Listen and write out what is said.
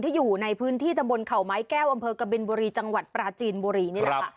ที่อยู่ในพื้นที่ตระบนเข้าไม้แก้วอำเภอกระเบีนบรีจังหวัดปราจีนบรี